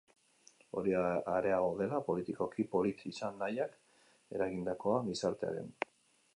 Hori areago dela politikoki polit izan nahiak eragindakoa, gizartearen.